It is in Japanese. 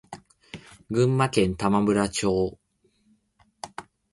群馬県玉村町